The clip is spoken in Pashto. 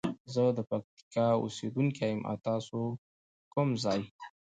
زه د پکتیکا اوسیدونکی یم او تاسو د کوم ځاي؟